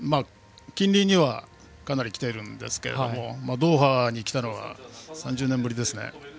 近隣にはかなり来ていますがドーハに来たのは３０年ぶりですね。